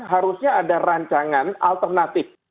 harusnya ada rancangan alternatif